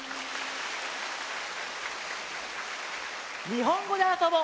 「にほんごであそぼ」